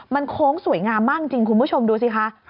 มันโค้งสวยงามมากจริงคุณผู้ชมดูสิคะ